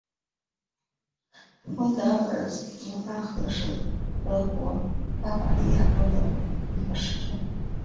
温德尔斯巴赫是德国巴伐利亚州的一个市镇。